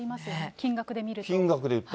金額で見ると。